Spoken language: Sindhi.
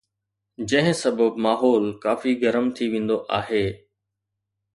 جنهن سبب ماحول ڪافي گرم ٿي ويندو آهي